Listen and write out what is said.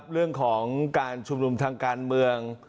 เรื่องของการชุมนุมทางการเมือง